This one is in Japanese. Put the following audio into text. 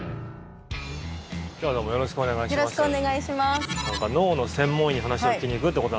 今日はどうもよろしくお願いします。